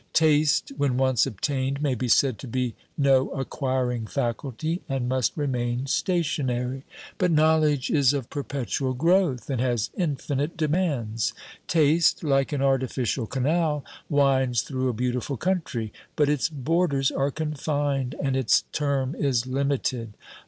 Taste when once obtained may be said to be no acquiring faculty, and must remain stationary; but knowledge is of perpetual growth, and has infinite demands. Taste, like an artificial canal, winds through a beautiful country; but its borders are confined, and its term is limited.